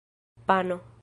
pano